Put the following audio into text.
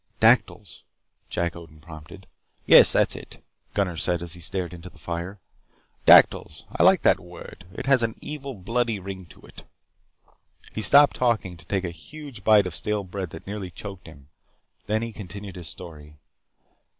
"Dactyls," Jack Odin prompted. "Yes, that's it," Gunnar said as he stared into the fire. "Dactyls. I like that word. It has an evil, bloody ring to it." He stopped talking to take a huge bite of stale bread that nearly choked him. Then he continued his story.